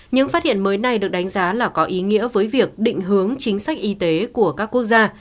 những phát hiện mới này được đánh giá là có ý nghĩa với việc định hướng chính sách y tế của các quốc gia